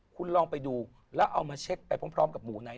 คุณลองไปดูแล้วเอามาเช็คไปพร้อมกับหมูไนท